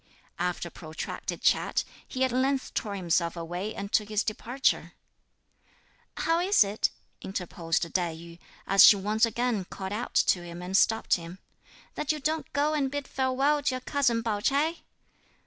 After a protracted chat, he at length tore himself away and took his departure. "How is it," interposed Tai yü, as she once again called out to him and stopped him, "that you don't go and bid farewell to your cousin Pao Ch'ai?"